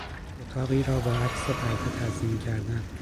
اتاقی را با عکس و پرده تزیین کردن